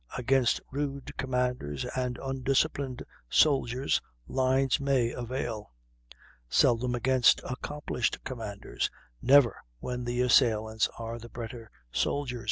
Against rude commanders and undisciplined soldiers, lines may avail; seldom against accomplished commanders, never when the assailants are the better soldiers."